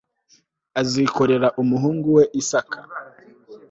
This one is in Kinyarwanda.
azikorera umuhungu we Isaka